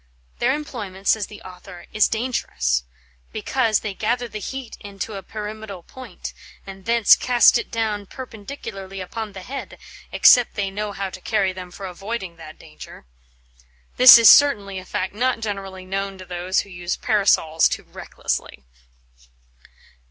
Their employment, says the author, is dangerous, "because they gather the heate into a pyramidall point, and thence cast it down perpendicularly upon the head, except they know how to carry them for auoyding that danger." This is certainly a fact not generally known to those who use Parasols too recklessly.